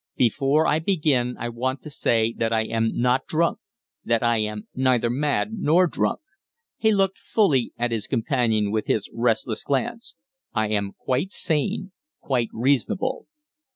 "Before I begin I want to say that I am not drunk that I am neither mad nor drunk." He looked fully at his companion with his restless glance. "I am quite sane quite reasonable."